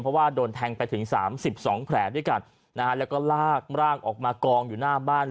เพราะว่าโดนแทงไปถึง๓๒แผลด้วยกันแล้วก็ลากร่างออกมากองอยู่หน้าบ้าน